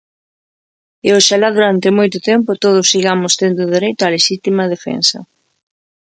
E oxalá durante moito tempo todos sigamos tendo dereito á lexítima defensa.